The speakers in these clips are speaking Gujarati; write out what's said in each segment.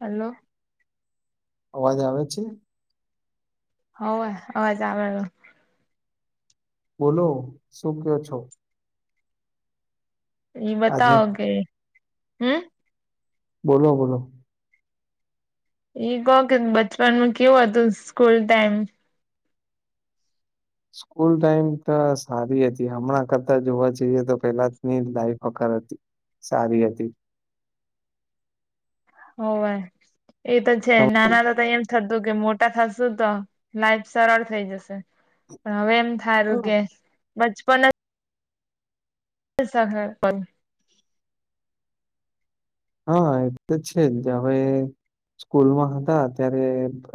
હલો અવાજ આવે છે હોવે અવાજ આવે બોલો શું કે છો એ આજે બતાવો કે હમ બોલો બોલો એ કહો કે બચપનમાં કેવું હતું સ્કૂલ ટાઈમ સ્કૂલ ટાઈમ તો સારી હતી હમણાં કરતા જોવા જઈએ તો પેલાની લાઈફ હકર હતી સારી હતી હોવે એ તો છે નાના હા હતા તો એમ થ તું કે મોટા થશુ તો લાઈફ સરળ થઈ જશે પણ હવે એમ થારું કે બચપન હ હા એ તો છે જ હવે સ્કૂલમાં હતા ત્યારે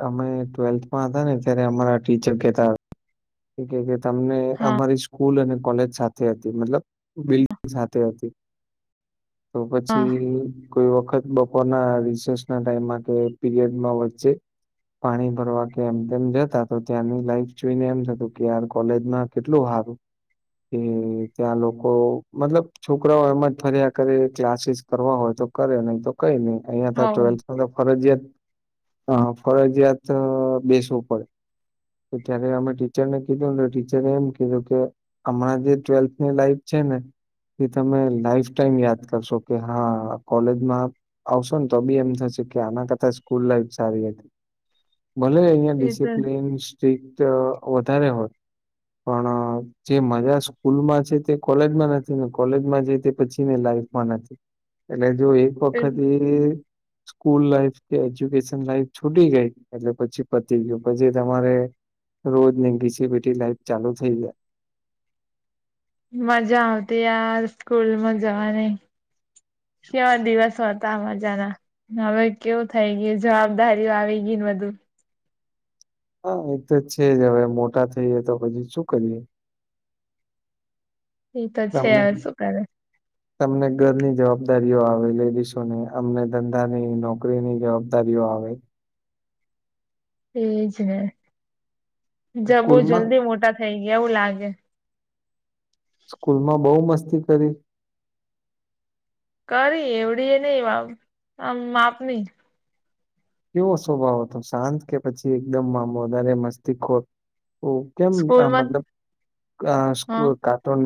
અમે ટ્વેલ્થમાં હતા ને ત્યારે અમારા ટીચર કતા હતા [inaudible] કે તમને હા અમારી સ્કૂલ અને કોલેજ સાથે મતલબ બિલ્ સાથે હતી તો હા પછી કોઈ વખત બપોરના રિસેસ ના ટાઈમમાં કે પીરિયડમાં વચ્ચે પાણી ભરવા કે એમ તેમ જતા તો ત્યાંની લાઈફ જોઈને એમ થતું કે યાર કોલેજમાં કેટલું હારું કે ત્યાં લોકો મતલબ છોકરાઓ એમાં જ ફર્યા કરે ક્લાસીસ કરવા હોય તો કરે નહી તો કઈ નહી અહિયાં તો હોવ ટ્વેલ્થ ફરજયાત હ ફરજિયાત બેસવું પડે ત્યારે અમે ટીચરને કીધું ને તો ટીચરે એમ કીધું કે હમણાં જે ટ્વેલ્થની લાઈફ છે ને એ તમે લાઈફ ટાઈમ યાદ કરશો કે હા કોલેજમાં આવશો ને તો બી એમ થશે કે આના કરતા સ્કૂલ લાઈફ સારી હતી ભલે અહીં એ તો ડિસિપ્લીન સ્ટ્રીિક્ટ વધારે હોય પણ અ, [inaudible] જે મજા સ્કૂલમાં છે તે કોલેજમાં નથી ને કોલેજમાં જાય તે પછી ને લાઈફમાં નથી એટલે જો એક વખત એ સ્કૂલ લાઈફ કે એજ્યુકેશન લાઈફ છૂટી ગઈ એટલે પછી પતી ગયું પછી તમારે રોજ ની ઘીસી પીઠી લાઈફ ચાલુ થઈ જાય મજા આવતી યાર સ્કૂલ માં જવાની કેવા દિવસો હતા મજાના હવે કેવું થઈ ગયુ જવાબદારીઓ આવી ગઈ ને બધું હા એક તો છે જ હવે મોટા થઈએ તો પછી શું કરીએ એ તો છે તમને હ શું કરે તમને ઘરની જવાબદારીઓ આવે લેડીસોને અમને ધંધાની નોકરીની જવાબદારીઓ આવે એજ ને જ બોહ સ્કૂલમાં જલ્દી મોટા થઈ ગયા એવું લાગે સ્કૂલ માં બઉુ મસ્તી કરી કરી એવડી એ નહ વા આમ માપની કેવો સ્વભાવ હતો શાંત કે પછી એકદમ મામ વધારે મસ્તી ખો ઓ કેમ સ્કૂલમાં મતલબ હા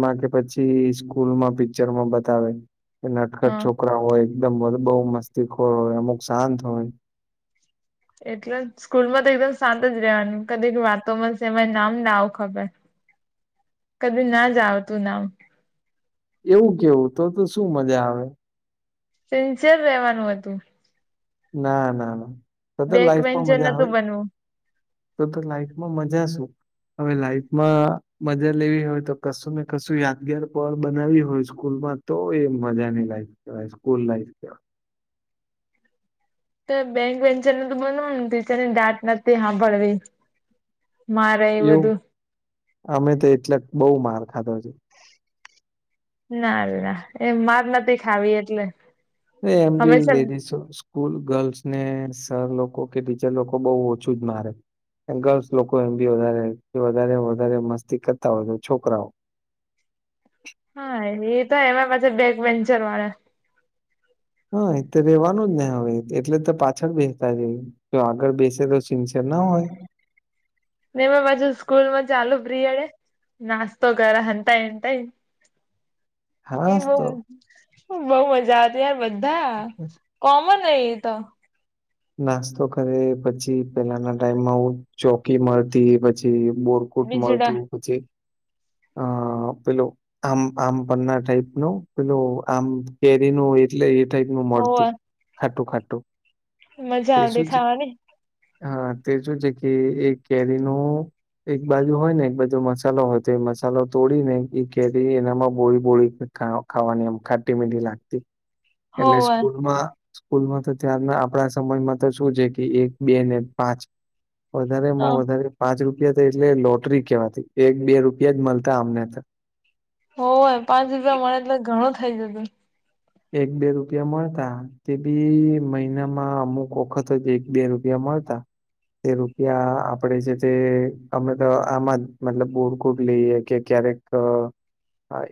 માં કે પછી સ્કૂલ માં પિક્ચરમાં બતાવે કે નટખટ હા છોકરા હોય એકદમ બ બોહ મસ્તીખોર હોય અમુક શાંત હોય એટલે જ સ્કૂલ માં તો એકદમ શાંત જ રહેવાનું કદીક વાતોમાં છે એમાં નામ ના આવું ખબર કદી ના જ આવતું નામ એવું કેવું તો તો શું મજા આવે સીન્સરે રેવાનું હતું ના ના ના તો તો બેક લાઈફમાં વેન્ચર મજા આવે નતું બનવું તો તો લાઈફમાં મજા શું હવે લાઈફમાં મજા લેવી હોય તો કશું ને કશું યાદગાર પળ બનાવી હોય સ્કૂલમાં તો એ મજાની લાઈફ કેવાય સ્કૂલ લાઈફ કેવાય તો બેંક વેન્ચરને તોું બનવ ને તની દાટ નથી સાંભળવી મારે એ બધું એવું અમે તો એટલાક બઉુ માર ખાધો છે ના ના એ માર નથી ખાવી એટલે એ એમ બી હંમેશા લેડીસ સ્કૂલ ગર્લ્સ ને સર લોકો કે ટીચર લોકો બહુ ઓછું જ મારે ગર્લ્સ લોકો એમ બી વધારે વધારે વધારે મસ્તી કરતા હોય તો છોકરાઓ હા એ તો એમાં પછી બેગ પેન્ચર વાળે હા એ રેવાનું જ ને હવે એટલે તો પાછળ બેસતા જ જો આગળ બેસે તો સિન્સેર ના હોય ને પાછુ સ્કૂલ માં ચાલુ પ્રિયડે નાસ્તો કર હતાયતાય એ હા બ તો બહ મજા આવતી યાર બધા કોમન ન એ તો નાસ્તો કરે પછી પેલાના ટાઈમમાં હ ચોકી મળતી પછી બોર કૂટ બીજડા મળતું પછી અ પેલો આમ આમ પના ટાઈપ ન પેલો આમ કેરી ન એટલે એ થાઈક નું હોવે મળતું ખાટું ખાટું મજા તે આવતી શું છે ખાવાની હા તે શું છે કે એક કેરી ન એક બાજુ હોય ને એક બાજુ મસાલો હોય તો મસાલો તોડી ને એ કેરી એનામાં બોળી બોળી ખાવાની આમ ખાટી મીઠી લાગતી [inaudible] એટલે સ્કૂલ માં સ્કૂલમાં તો ત્યાર આપણા સમયમાં તો શું છે કે એક બે ને પાંચ હ વધારેમાં વધારે પાંચ રૂપિયા થ એટલે લોટરી કેવાથી એક બે રૂપિયા યદ મળતા આમને ત હો પાંચ રૂપિયા મળે એટલે ઘણું થઇ જતું એક બે રૂપિયા મળતા તે બી મહિનામાં અમુક વખત જ એક બે રૂપિયા મળતા તે રૂપિયા આપણેે છે તે અમે તો આમાં જ મતલબ બોરકૂ જ લઈએ કે ક્યારેક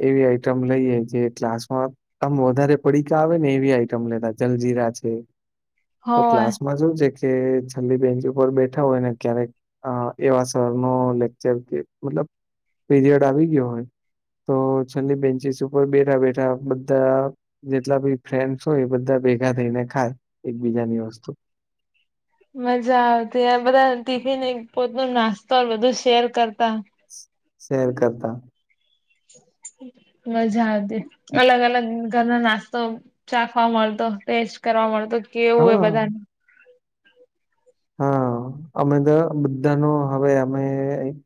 એવી આઈટમ લઈએ જે ક્લાસ માંમ વધારે પડીકા આવે ને એવી આઈટમ લેતા જલજીરા છે તો હોવે ક્લાસમાં જોું કે છેલ્લી બેન્ચ ઉપર બેઠા હોય ને ક્યારેક અ એવા સર નો લેક્ચર કે મતલબ પીરિયડ આવી ગયો હોય તો છેલ્લી બેન્ચિસ ઉપર બેઠા બેઠા બધા જેટલા ભી ફ્રેન્ડસ હોય એ બધા ભેગા થઈને ખાય એકબીજાની વસ્તુ મજા આવતી બધા ટિફિન પોત ન નાસ્તો બધું શેર કરતા શેર કરતા મજા આવતી અલગ અલગ ઘરનો નાસ્તો ચાખવા મળતો ટેસ્ટ કરવા મળતો કેવું એ હા બધાનું હા અમે તો બધા ન હવે અમે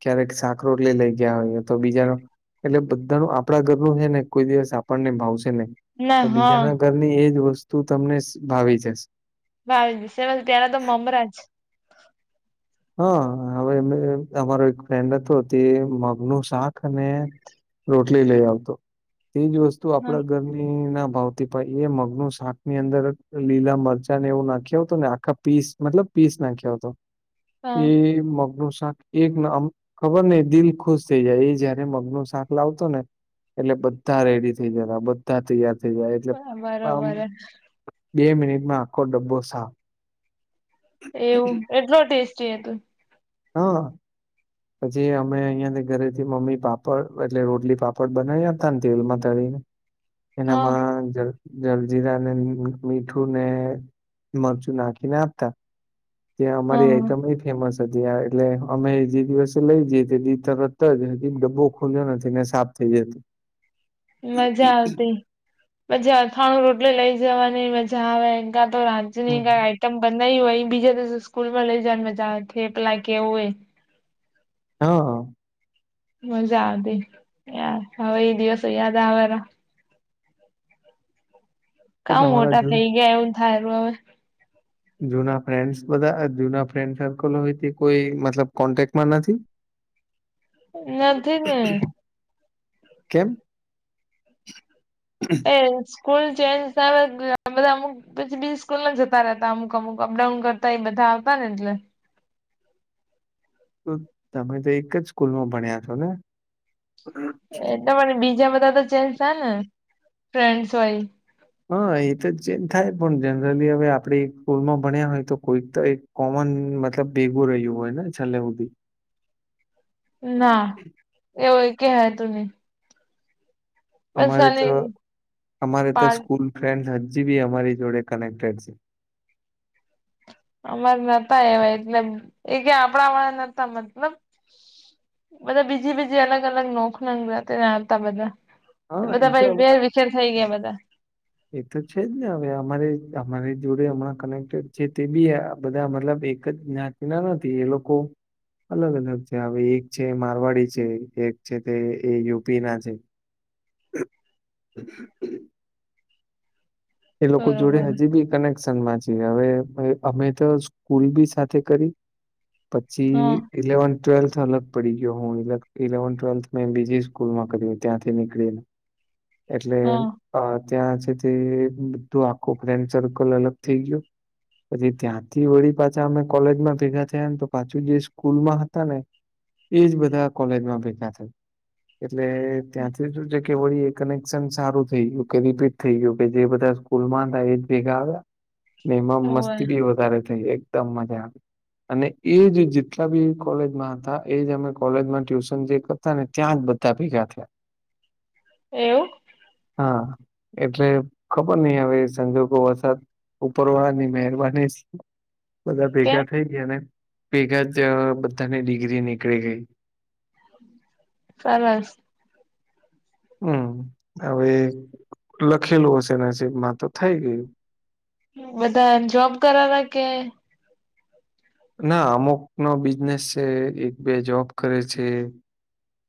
ક્યારેક સાકરોોટલી લઈ ગયા હોઈએ તો બીજાનો. એટલે બધા ન આપડા ઘર નું છે ને કોઈ દિવસ આપણને ભાવશે નહી. તો ના હા બીજાના ઘરની એજ વસ્તુ તમને ભાવી જસે. ભાવી ત્યાંના તો મમરાજ. હા! હવે અમારો એક ફ્રેન્ડ હતો તે મગનું શાક અને. રોટલી લઈ આવતો. એજ વસ્તુ આપડા ઘરની ના ભાવ. ને પહી એ મગનું શાક ની, અંદર લીલા મરચાં ને એવું નાખ્યું તું ને, આખા પીસ મતલબ પીસ નાખ્યો તો. હા એ મગનું શાક એકનમ, ખબર નહીં દિલ ખુશ થઈ જાય, એ જયારે મગ નું શાક લાવતો ને એટલે બધા રેડી થઈ જતા, બધા તૈયાર થઈ જાય, એટલે હા આમ બરોબર બે મિનિટમાં આખો ડબ્બો સાફ. એવું. એટલો ટેસ્ટી હતું? હા! પછી, અમે અહિયાં થી ઘરેથી મમ્મી પાપડ એટલે રોટલી પાપડ બનાઈ આપતા ને તેલમાં તળીને [inaudible] એનામાં [unintelligible] જલજીરા ને, મીઠું ને, મરચું નાખીને આપતા ત્યાં અમારી હા આઈટમ એટ ફેમસ હતી, એટલે અમે જી દિવસે લઈ જઈએ તે દી તરત જ [unintelligible] ડબ્બો ખુલ્યો નથી ને સાફ થઈ જાય. [inaudible] મજા આવતી. પછી અથાણું રોટલી લઈ જવાની, મજા આવે. કાં તો રા ત ની કાંઈ આઈટમ બનાઈ હોય, એ બીજા દિવસે સ્કૂલ માં લઈ જવાની મજા આવે. થેપલા કે એવું હોય હા મજા આવતી, યાર. હવે એ દિવસો યાદ આવેને. તો કહા તમારા મોટા જો થઈ ગયા એવું થાય [unintelligible] જૂના ફ્રેન્ડસ બધા, જૂના ફ્રેન્ડ સર્કલ હોય તે કોઈ મતલબ કોન્ટેકમાં નથી? નથી ને. કેમ? [unintelligible] સ્કૂલ ચેન્જ ગઈ બધા અમુક પછી બીહ સ્કૂલમાં જતા રહેતા, અમુક-અમુક અપડાઉન કરતા, એ બધા આવતા ને એટલે. તો તમે તો એક જ સ્કૂલમાં ભણ્યા છો ને? એટલે મને બીજા બધા તો ચેન્જ થયા ને, ફ્રેન્ડસ હોય હા! એ તો ચેન્જ થાય, પણ જનરલી હવે આપણે એઈ સ્કૂલમાં ભણ્યા હોય તો કોઈક તો એક કોમન મતલબ ભેગું રહ્યું હોય ને છેલ્લે હુંધી. ના. એવુંય ક્યાય હતું નહિં. અમારે તો, અમારે તો પાર્ટ સ્કૂલ ફ્રેન્ડ હજી બી અમારી જોડે કનેક્ટેડ છે. અમાર નતા એવા એટલે, એ કે આપણા વાળા નતા મતલબ બધા બીજી-બીજી અલગ-અલગ [unintelligible] આવતા બધા. હા એ બધા તો ભાઈ હવે વેર વિછેર થઈ ગયા બધા. એ તો છે જ ને હવે, અમારે અમારી જોડે હમણાં કનેક્ટેડ છે તે બી આ બધા મતલબ એક જ જ્ઞાતિ ના નથી, એ લોકો અલગ-અલગ છે, હવે એક છે એ મારવાડી છે, એક છે તે યુપી ના છે [inaudible] એ લોકો જોડે બરોબર હજી બી કનેક્સ શન માં છી. હવે-હવે અમે તો સ્કૂલ બી સાથે કરી, હા પછી ઇલેવન્થ ટ્વેલ્થ અલગ પડી ગયો, હું ઈલેક ઇલેવન ટ્વેલ્થમાં મે બીજી સ્કૂલમાં કરી ત્યાંથી નીકળીન. [inaudible] એટલે અહ ત્યાં છે તે બધું આખું ફ્રેન્ડ સર્કલ અલગ થઈ ગયું. પછી ત્યાંથી વળી પાછા અમે કોલેજમાં ભેગા થયા ને તો પાછું જે સ્કૂલમાં હતા ને એજ બધા કોલેજમાં ભેગા થયા. એટલે ત્યાંથી શું છે કે વળી એ કનેક્શન સારું થઈ ગયું, કે રિપીટ થઈ ગયું કે જે બધા સ્કૂલમાં હતા, એજ ભેગા આવ્યા, ને એમાં એવું હોય. મસ્તી બી વધારે થઈ એક દમ મજા. અને એજ જેટલા બી કોલેજમાં હતા, એજ અમે કોલેજમાં ટ્યુશન જે કર તાં ને ત્યાં જ બધા ભેગા થયા. એવું? હા એટલે ખબર નઈ હવે સંજોગો વરસાદ ઉપરવાળા ની મહેરબાની બધા ભેગા કેમ થઈ ગયા ને ભેગા જ બધાની ડિગ્રી નીકળી ગઈ. [unintelligible] હમ હવે લખેલું હશેના હ સબમાં તો થઈ ગયું. બધા એ જોબ કરાવા કે ના અમુક નો બિઝનેસ છે. એક બે જોબ કરે છે.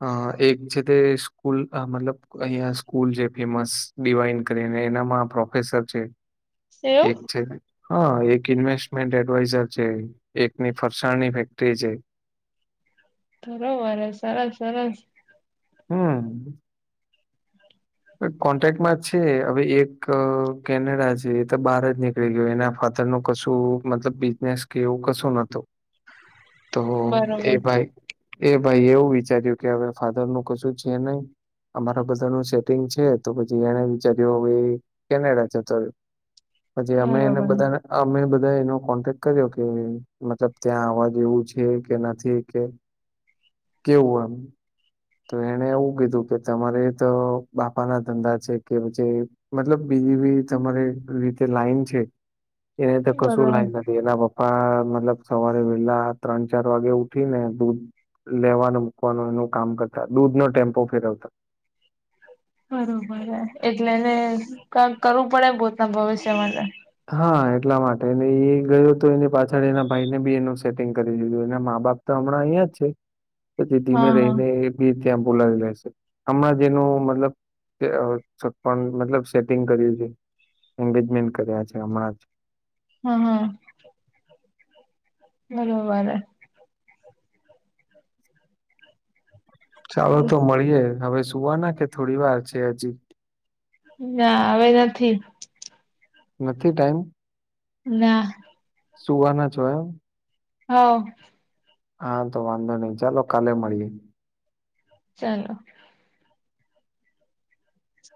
અ એક છે તે સ્કૂલ મતલબ અહિયાં સ્કૂલ છે. ફેમસ ડિવાઈન કરી એનામાં પ્રોફેસર છે. એવું એક છે હા એક ઇન્વેસ્ટમેન્ટ એડવાઈઝર છે. એકની ફરસાણની ફેક્ટરી છે. બરોબર સરસ સરસ. હમ્મ. કોન્ટેક્ટમાં જ છે. હવે એક કેનેડા છે તો બાર જ ને ગયો એના ફાથર નું કશું મતલબ બિઝનેસ કે એવું કશું નતો તો એ બરોબર ભાઈ એ ભાઈ એવું વિચાર્યું કે હવે ફાધર નું કશું છે નહી અમારા બધા નુ છે. છે તો પછી એને વિચાર્યું કેનેડા જતો રહ્યો. પછી અમે એને બરોબર બધાને અમે બધા એનો કોન્ટેક્ટ કર્યો કે મતલબ ત્યાં અવાજ એવું છે કે નથી કે [inaudible] કેવું એમ તો એને એવું કીધું કે તમારે તો બાપા ના ધંધા છે કે પછી મતલબ બીજી બી તમારે રીતે લાઈન છે. એને તોર કશું બરોબર લાઈન લે બેના પપ્પા મતલબ સવારે વેલા ત્રણ ચાર વાગે ઉઠી ને દૂધ લેવાનું મૂકવાનું એનું કામ કરતા દૂધ નો ટેમ્પો ફેરવતા. બરોબર એટલેને ક કરવું પડે પોતના ભવિષ્ય માટે. હા એટલા માટે એ એ ગયો હતો. એની પાછળ એના ભાઈને બી એનું સેટિંગ કરી દીધું. એના મા બાપ તો હમણાં અહીંયા જ છે. [inaudible] પછી ધીમે હા હા રહીને એ બી ત્યાં બોલાવી લેશે. આમાં જેનું મતલબ મતલબ સેટિંગ કર્યું છે. એંગેજમેન્ટ કર્યા છે. હમણાં જ. હા હા બરોબર. ચાલો તો મળીયે હવે સુવાના કે થોડી વાર છે હજી. ના હવે નથી. નથી ટાઈમ? ના. સુવાના છો એમ? હા. હા તો વાંધો નઈ. ચાલો કાલે મળીએે. ચાલો.